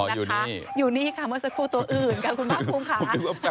ค่ะอยู่นี่ค่ะเมื่อสิ้นโคตรอื่นกับคุณม้าภูมิค่ะ